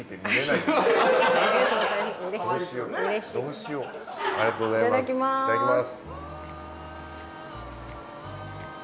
いただきます。